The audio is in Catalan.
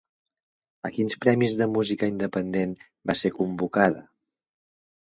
A quins premis de música independent va ser convocada?